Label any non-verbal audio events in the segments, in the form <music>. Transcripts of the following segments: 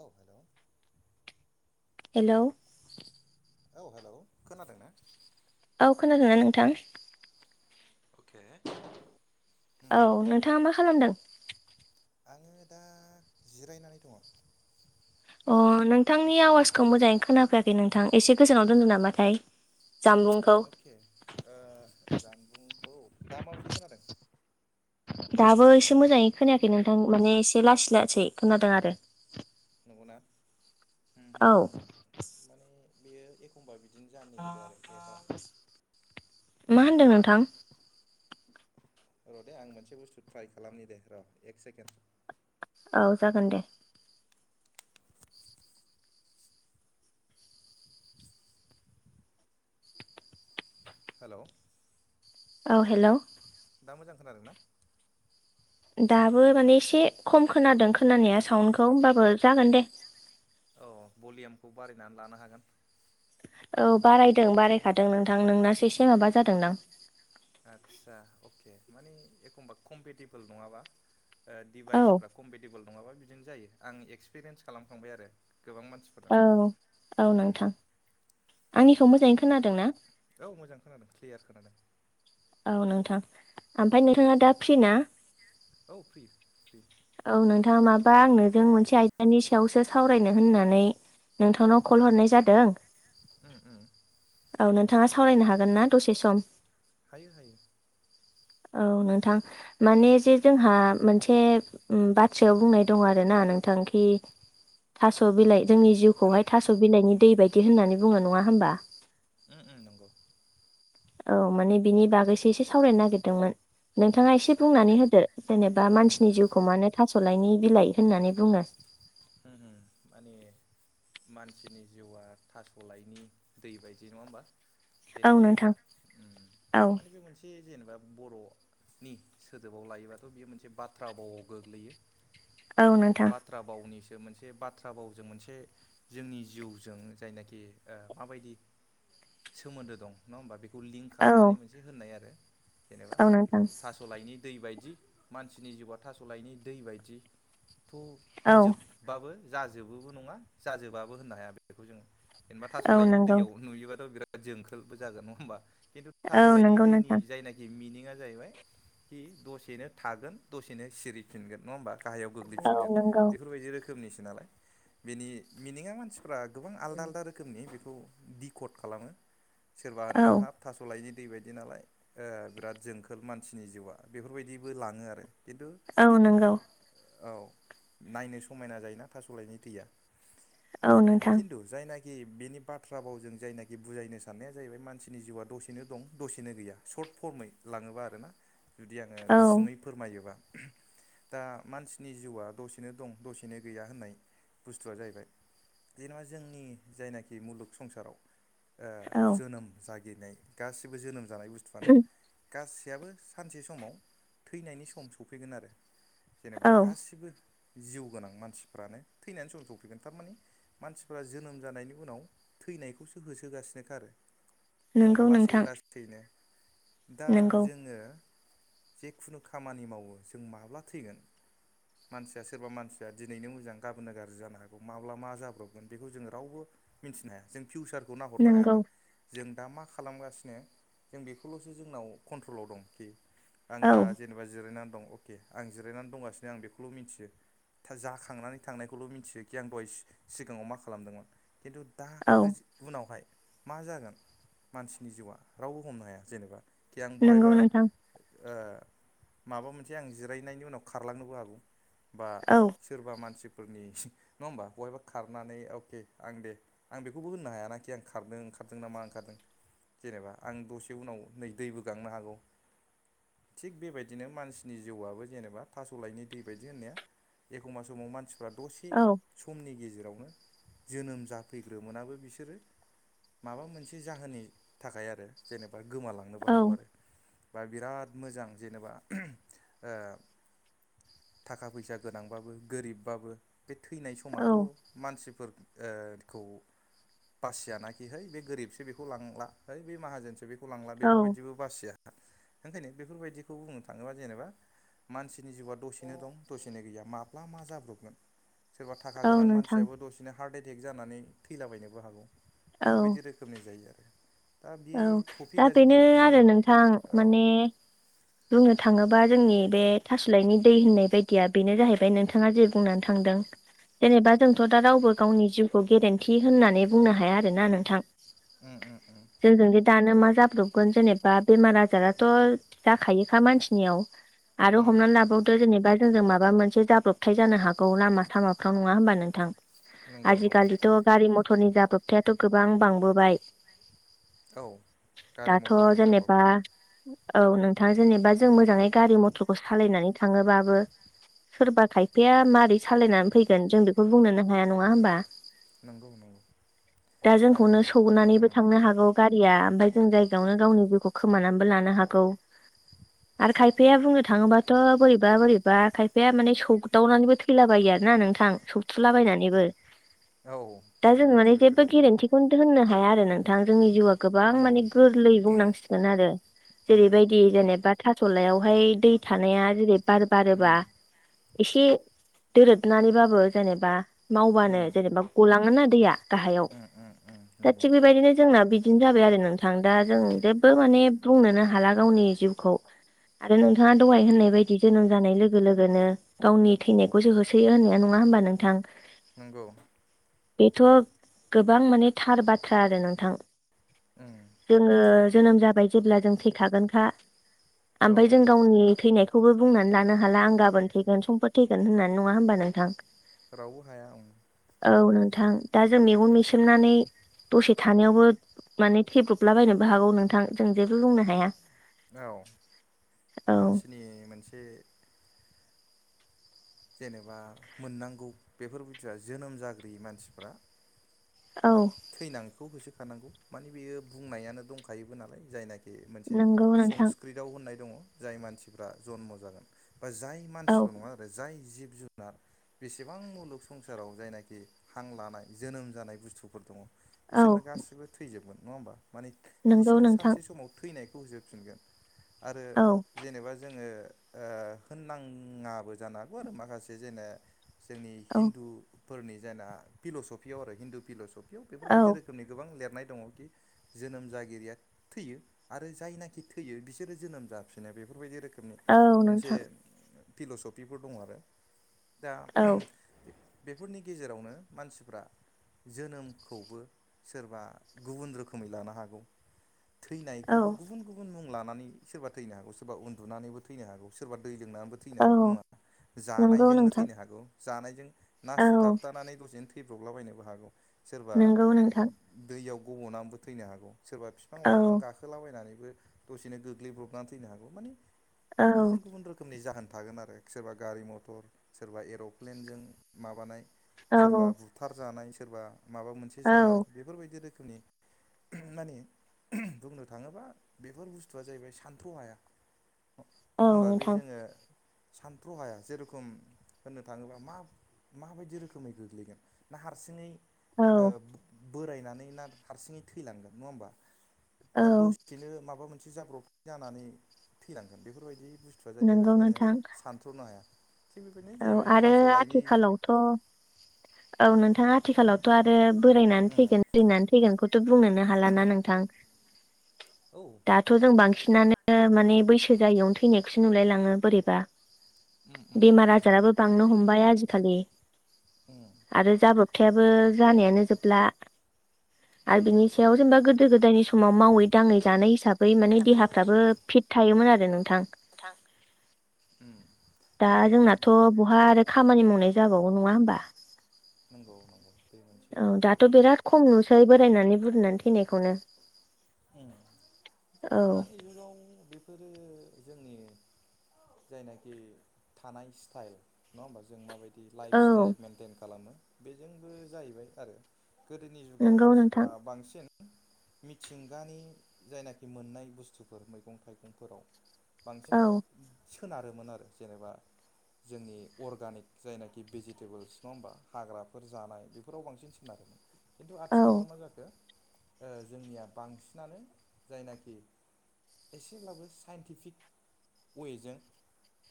औ hello! Hello औ hello, खोनादों ना? औ खोनादोंना नोंथां? अके। औ नोंथाङा मा खालामदों? आङो दा जिरायनानै दङ। अ नोंथांनि आवाजखौ मोजाङै खोनाफैयाखै नोंथां एसे गोजानाव दोनदों नामाथाय? जामबुंखौ अके ओ जानबुंखौ दा माबायदि खोनादों? दाबो एसे मोजाङै खोनायाखै नोंथां माने एसे लासै लासै खोनादों आरो। नंगौना अम अम औ अम माने बेयो एखमबा बिदिनो जानो नागिरो आरो एबा मा होनदों नोंथां र' दे आं मोनसे बुस्थु ट्राइ खालामनि दे र' एक सेकेन्ड औ जागोन दे हेलौ औ हेलौ दा मोजां खोनादों ना दाबो माने एसे खम खोनादों खोनानाया साउन्डखौ होमबाबो जागोन दे औ भलिमखौ बारायनानै लानो हागोन औ बारायदों बारायखादों नोंथां नोंनासो एसे माबा जादोंदां आदसा अके मानि एखमबा कम्पेटेबोल नङाबा ओ औ डिभाइसफ्रा कम्पेटेबोल नङाबा बिदिनो जायो आं एक्सपिरियेन्स खालामखांबाय आरो गोबां मानसि औ औ नोंथां आंनिखौ मोजाङै खोनादों ना औ मोजां खोनादों क्लियार खोनादों औ नोंथां ओमफाय नोंथाङा दा फ्रि ना औ फ्रि फ्रि औ नोंथां माबा आंनोजों मोनसे आयदानि सा यावसो सावरायनो होननानै नोंथांनो कल हरनाय जादों अम अम औ नोंथाङा सावरायनो हागोन ना दसे सम हायो हायो औ नोंथां माने जे जोंहा मोनसे अम बाथ्रायाव बुंनाय दं आरो ना नोंथां कि थास' बिलाइ जोंनि जिउखौहाय थास' बिलाइनि दै बायदि होननानै बुङो नङा होमबा अम अम नंगौ औ माने बिनि बागैसो एसे सावरायनो नागिरदोंमोन नोंथाङा एसे आदसा बुंनानै होदो जेनेबा मानसिनि उम जिउखौ मानो थास'लायनि बिलाइ होननानै बुङो अम अम माने मानसिनि जिउआ थास'लायनि दै बायदि नङा होमबा? बे औ नोंथां टपिकआ ओम औ माने बे मोनसे जेनेबा बर' नि सोदोबाव लायोबाथ' बियो मोनसे बाथ्रा बावआव गोग्लैयो। औ नोंथां। थ्रा बावनिस जों मोनसे बाथ्रा बावजों मोनसे जोंनि जिउजों जायनाखि ओ माबायदि सोमोन्दो दं नङा होमबा बेखौ लिंक औ खालामनानै मोनसे होननाय आरो जेनेबा औ नोंथां थास थास'लायनि दै बायदि मानसिनि जिउआ थास'लायनि दै बायदि थ' औ होनजोब बाबो जाजोबोबो नङा जाजोबाबो होननो हाया बेखौ जोङो। जेनेबा थास' औ लाइनि नंगौ दैयाव नुयोबाथ' बिराद जोंखोलबो जागोन नङा होमबा खिन्थु औ थास'लाायनि नंगौ दैनि नोंथां जायनाख जि मिनिंया जाहैबाय खि दसेनो थागोन दसेनो सिरिफिनगोन नङा होमबा? गाहायाव औ गोग्लैफिनगोन नंगौ बेफोरबायदि रोखोमनिसो नालाय बेनि मिनिङा मानसि फोरा गोबां आलदा आलदा रोखोमनि बेखौ डिकड खालामो सोरबा औ होनगोन हाब थास' लायनि दै बायदि नालाय। ओ बिराद जोंखोल मानसिनि जिउआ बेफोरबायदिबो लाङो आरो खिन्थु औ नंगौ। औ नायनो समायना थास'लायनि दैया। औ नोंथां। खिन्थु जायनाखि बेनि बाथ्रा बावजों जायनाखि बुजायनो साननाया जाहैबाय मानसिनि जिउआ दसेनो दं दसेनो गैया। स'र्थ फर्ममै लांओबा आरो ना। जुदि आङो औ गुसुङै फोरमायोबा दा मानसिनि जिउआ दसेनो दं दसे नो गैया होननाय बुस्थुआ जाहैबाय जेनेबा जोंनि जायनाखि मुलुग संसाराव ओ औ जोनोम जागिनाय गासिबो जोनोम जानाय बुस्थुआनो गासैहाबो सानसे समाव थैनायनि सम सफैगोन आरो। जेनेबा औ गासिबो जिउ गोनां मानसिफ्रानो थैनायनि सम सफैगोन थारमाने मानसिफ्रा जोनोम जानायनि उनाव थैनायखौसो होसोगासिनो खा आरो। नङा नंगौ होमबा लासै नोंथां लासैनो दा नंगौ जोङो जेखुनु खामानि मावो जों माब्ला थैगोन मानसिया सोरबा मानसि ओ दिनैनो मोजां गाबोननो गाज्रि जानो हागौ माब्ला मा जाब्रबगोन बेखौ जोङो रावबो मिनथिनो हाया जों फिउचारखौ नाहरनो नंगौ हायाना। जों दा मा खालामगासिनो जों बेखौल'सो जोंनाव कन्ट्रलाव दंखि। आं औ दा जेनेबा जिरायनानै दं अके आं जिरायनानै दंगासिनो आं बेखौल' मिथियो। जाखांनानै थांनायखौल' मिथियोखि आं दहाय सि सिगाङाव मा खालामदोंमोन खिन्थु दा औ उनावहाय मा जागोन मानसिनि जिउआ रावबो हमनो हाया जेनेबा। खि आं नंगौ बहायबा नोंथां ओ माबा मोनसे आं जिरायनायनि उनाव खारलांनोबो हागौ बा औ सोरबा मानसिफोरनि नङा होमबा बहायबा खारनानै अके आं दे आं बेखौबो होननो हायानाखि आं खारदों ओंखारदों नामा ओंखारदों। जेनेबा आं दसे उनाव नै दैबो गांनो हागौ। थिग बेबायदिनो मानसिनि जिउआबो जेनेबा थास'लायनि दै बायदि होननाया एखमबा समाव मानसिफ्रा दसे औ समनि गेजेरावनो जोनोम जाफैग्रोमोनाबो बिसोरो माबा मोनसे जाहोननि थाखाय आरो जेनेबा गोमालांनोबो औ हागौ आरो। बा बिराद मोजां जेनेबा ओ थाखा फैसा गोनांबाबो गोरिबबाबो बे थैनाय औ समाथ' मानसिफोर ओ खौ बासियानाखि है बे गोरिबसो बेखौ लांला, है बे माहाजोनसो बेखौ लांला औ बेफोरबायदिबो बासिया। ओंखायनो बेफोरबायदिखौ बुंनो थाङोबा जेनेबा मानसिनि जिउआ दसेनो दं दसेनो गैया माब्ला मा जाब्रबगोन, सोरबा थाखा औ गोनां नोंथां सानसियाबो दसे नो हार्ट एटेक जानानै थैला बायनोबो हागौ औ बेफोरबायदि रोखोमनि जायो आरो। दा बे औ दा टपिकआ बेनो जुदि आरो बुंनो नोंथां ओ औ। माने बुंनो थाङोबा जोंनि बे थासलाइनि दै होननाय बायदिया बेनो जाहैबाय नोंथाङा जे बुंनानै थांदों। जेनेबा जोंथ दा रावबो गावनि जिउखौ गेरेन्थि होननानै बुंनो हाया आरोना नोंथां। उम उम उम। जोंजों दि दानो मा जाब्रबगोन जेनेबा बेमार आजाराथ' जाखायोखा मानसिनियाव, आरो उम हमनानै लाबाव थ' जेनेबा जोंजों माबा मोनसे जाब्रबथाय जानो हागौ लामा सामाफ्राव नङा होमबा नोंथां? नंगौ नंगौ आजिखालिथ' गारि मथरनि जाब्रोबथायाथ गोबां बांबोबाय। औ गारि दाथ' मथरनि जेनेबा जाब्रबथाय औ नोंथां जेनेबा जों मोजाङै मथरखौ सालायनानै थाङोबाबो सोरबा खायफाया मारै सालायनानै फैगोन जों बेखौ बुंनोनो हाया नङा होमबा? नंगौ नंगौ दा आरो जोंखौनो सौनानैबो उम थांनो हागौ। गारिया ओमफ्राय जों जायगायावनो गावनि जिउखौ खोमानानैबो लानो हा गौ आरो खायफाया बुंनो थाङोबाथ' बोरैबा बोरैबा खायफाया माने सौ दावनानैबो थैलाबायो आरोना नोंथां सौथुलाबायनानैबो औ दा जों माने बेबायदिबो जेबो बिराद जायो गेरेन्थि दोननो हाया आरो नोंथां। जोंनि जिउआ गोबां उम माने गोरलै बुंनांसिगोन आरो। उम जेरैबायदि जेनेबा थास'लायावहाय दै थानाया जेरै बार बारोबा उम एसे दोरोदनानैबाबो जेनेबा मावबानो उम जेनेबा गलाङोना दैया गाहायाव। उम उम उम दा नंगौ थिग बेबायदिनो जोंना बि दिनो जाबाय आरो नोंथां दा जों जेबो माने बुंनोनो हाला गावनि जिउखौ। आरो नोंथाङा दहाय होननाय बायदि जोनोम जानाय लोगो लोगोनो गावनि थैनायखौसो होसोयो होननाया नङा होमबा नोंथां? नोंगौ। बेथ' गोबां माने थार बाथ्रा आरो नोंथां। उम। जोङो जोनोम जाबाय जेब्ला जों थैखागोनखा, औ ओमफाय जों गावनि थैनायखौबो बुंनानै हाला आं गाबोन थैगोन समफोर थैगोन होननानै। नङा होमबा नोंथां? रावबो हाया उम औ नोंथां। दा जों मेगन मेसेबनानै दसे थानायावबो माने थेैब्रबलाबायनोबो हागौ नोंथां जों जेबो बुंनो हाया। औ औ मानसिनि मोनसे जेनेबा मोननांगौ बेफोरबायदिया जोनोम जाग्रोयो मानसिफ्रा औ। थैनायखौ होसोखानांगौ माने बेयो बुंनायानो दंखायोबो नालाय जायनाखि बे मोनसे नंगौ नोंथां संस्कृतआव होननाय दङ जाय मानसिफ्रा जनम' जागोन बा जाय औ मानसिल' नङा आरो जाय जिब जुनार बेसेबां मुलुग संसाराव जायनाखि हां लानाय जोनोम जानाय बुस्थुफोर दङ औ बिसोरनो गासिबो थैजोबगोन नङा होनबा माने नंगौ बिसोरो नोंथां सानसे समाव थैनायखौ होजोबफिनगोन आरो औ जेनेबा जोङो ओ होननाङाबो जानो हागौ आरो माखासे जेने जोंनि औ हिन्दुफोरनि जोंना फिल'सफियाव आरो हिन्दु फिल'सफियाव औ बेफोरबायदि रोखोम रोखोमनि गोबां लिरनाय दङ जोनोम जागिरिया थैयो आरो जायनाखि थैयो बिसोरो जोनोम जाफिनो बेफोरबायदि रोखोमनि औ मोनसे नोंथां फिल'सफिफोर दङ आरो दा औ बेफोरनि गेजेरावनो मानसिफ्रा जोनोम खौबो सोरबा गुबुन रोखोमै लानो हागौ औ थैनायखौबो गुबुन गुबुन गुबुन मुं लानानै सोरबा थैनो हागौ सोरबा उन्दुनानैबो थैनो हागौ सोरबा दै लोंनाबो थैनो औ हागौ नङा नंगौ जानायजोंनो नोंथां थैनो हागौ जानायजों ना औ सुथाबथानानै दसेनो थै थैब्रबलाबायनोबो हागौ सोरबा नंगौ नोंथां दैयाव गब'नानैबो थैनो हागौ। सोरबा बिफां औ लाइफां गाखोलाबायनानैबो दसेनो गोग्लैब्रबनानै थैनो हागौ माने औ गुबुन गुबुन रोखोम रोखोमनि जाहोन थागोन आरो सोरबा गारि मथर सोरबा एर'प्लेनजों माबानाय औ सोरबा बुथार जानाय सोरबा माबा मोनसे औ जानाय बेफोरबायदि रोखोमनि माने बुंनो थाङोबा बेफोर बुस्थुआ जाहैबाय सान्थ्र' हाया। औ होमबा बे नोंथां जोङो सान्थ्र' हाया जेरोखम होननो थाङोब्ला मा माबायदि रोखोमै गोग्लैगोन ना हारसिङै औ ओ बोरायनानै ना हारसिङै थैलांगोन नङा होमबा दा औ दसेनो माबा मोनसे जाब्रब जानानै थैनांगोन बेफोरबायदि बुस्थु जाहैबाय नंगौ जोङो नोंथां सानथ्र'नो हाया थिग बेबायदिनो जे थास' लाइनि थ' औ नोंथाङा आथिखालावथ' आरो बोरायना थैगोन बुरिनानै थैगोनखौथ' बुंनोनो हालाना नोंथां औ दाथ' जों बांसिनानो माने बैसो जायैयावनो थैनायखौसो नुलायलाङो बोरैबा उम उम नंगौ थांनो हमबाय आजिखालि उम आरो जाब्रबथायाबो जानायानो जोबला आरो बिनि सायाव जेनेबा गोदो गोदायनि समाव मावै दाङै जानाय हिसा बै माने देहाफ्राबो फिट थायोमोन आरो नोंथां थां उम दा माने जोंनाथ' बहा आरो खामानि मावनाय जाबावगौ नङा होमबा नंगौ नंगौ बे मोनसे बुस्थुआ जाहैबाय फ्राय बोरायनानै बुरनानै थैनायखौनो ओ दानि जुगाव बेफोरो जोंनि जायनाखि थानाय स्टाइल नङा होमबा जों माबायदि बि लाइफ औ औ स्टाइल मेन्टेन खालामो बेजोंबो जाहैबाय आरो गोदोनि जुगाव नंगौ नोंथां मानसिफ्रा बांसिन मिथिंगानि जायनाखि मोननाय बुस्थुफोर मैगं थाइगंफोराव बांसिन औ सोनारोमोन आरो जेनेबा जोंनि अर्गानिक जायनाखि भेजिटेबोल्स नङा होमबा हाग्राफोर जानाय बेफोराव बांसिनसिन सोनारो <inaudible> खिन्थु आथिखालाव मा जाखो ओ जोंनिया बांसिनानो जायनाखि एसेब्लाबो साइन्टिफिक अए जों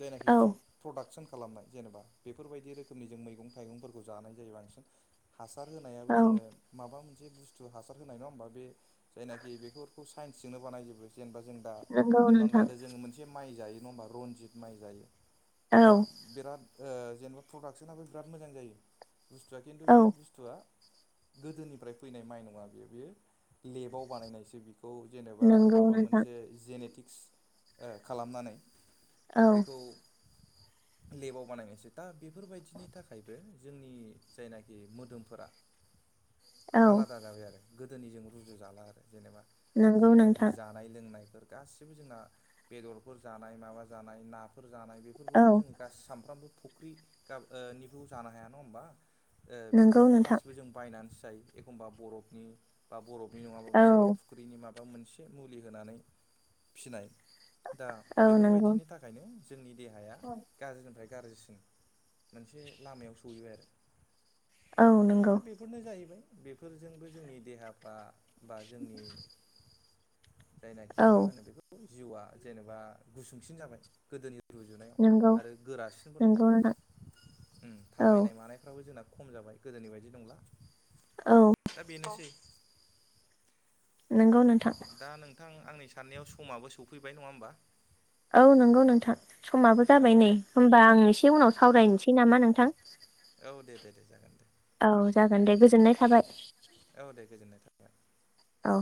जायनाखि औ फ्रड प्रडाक्सन खालामनाय जेनेबा बेफोरबायदि रोखोमनि जों मैगं थाइगंफोरखौ जानाय जायो बांसिन हासार होनायाबो औ जोङो माबा मोनसे बुस्थु हासार होनाय नङा होनबा बे? जायनाखि बेफोरखौ साइनचजोंनो बानाय जोबो जेनबा जों दा नंगौ हमनानै नोंथां लादो जोङो मोनसे माइ जायो नङा होमबा? रनजित माइ जायो औ नङा बिराद ओ जेनेबा प्रडाक्सनाबो बिराद मोजां जायो बुस्थुआ खिन्थु औ बेयो बु थुआ गोदोनिफ्राय फैनाय माइ नङा बेयो। बेयो लेबाव बानायनायसो बिखौ जेनेबा नंगौ माबा नोंथां मोनसे जेनेटिक्स ओ खालामनानै औ बेखौ लेबाव बानायनायसो। दा बेफोरबायदिनि थाखायबो जोंनि जायनाखि मोदोमफोरा औ आलादा जाबाय आरो गोदोनिजों रुजु जाला आरो जेनेबा, नंगौ जेनाखि नोंथां जानाय लोंनायफोर गासिबो जोंना बेदरफोर जानाय माबा जानाय नाफोर जानाय औ बेफोरखौथ' जोङो गा सानफ्रामबो फुख्रि गा ओ निबो जानो हाया नङा होमबा। ओ नंगौ बेफोरखौ नोंथां गासिबो जों बायनानैसो जायो एखमबा बरफनि बा बरफनि औ नङाबाबो सोरबा फु फुख्रिनि माबा मोनसे मुलि होनानै फिनाय दा औ नंगौ बेफोरबायदिनि था खायनो जोंनि देहाया गाज्रिनिफ्राय गाज्रिसिन मोनसे लामायाव सौहैबाय आरो। औ नंगौ। दा बेफोरनो जाहैबाय, बेफोरजोंबो जोंनि देहाफ्रा बा जोंनि जायनाखि औ मा होनो बेखौ जिउआ जेनेबा गुसुंसिन जाबाय गोदोनि रुजुनायाव नंगौ आरो गोरासिनबो नंला नंगौ नोंथां ओम औ थाबायनाय मानाय फ्राबो जोंना खम जाबाय गोदोनि बायदि नंला। औ। दा बेनोसै। नोंगौ नोंथां। दा नोंथां आंनि साननायाव समाबो सौफैबाय नङा होमबा? औ नंगौ नोंथां समाबो जाबाय औ नै, होमबा आं एसे उनाव सावरायनोसै नामा नोंथां? औ दे। दे दे जागोन दे। औ जागोन दे, गोजोननाय थाबाय। औ दे, गोजोननाय थाबाय। औ।